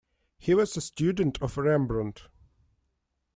He was a student of Rembrandt.